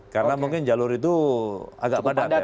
karena mungkin jalur itu agak padat ya pak ya